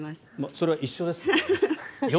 それは一緒です。